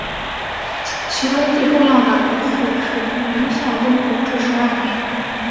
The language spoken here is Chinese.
其中最重要的一次是明孝宗弘治十二年。